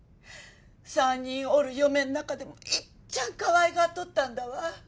３人おる嫁の中でもいっちゃんかわいがっとったんだわ。